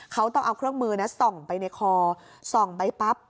เขาต้องเอาเครื่องมือส่องไปในคอส่องไปปั๊บ